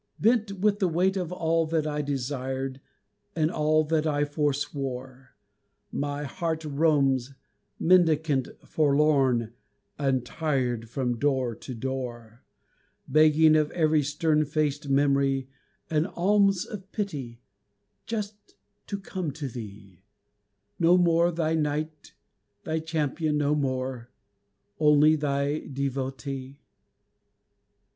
Bent with the weight of all that I desired And all that I forswore, My heart roams, mendicant, forlorn and tired, From door to door, Begging of every stern faced memory An alms of pity just to come to thee, No more thy knight, thy champion no more Only thy devotee!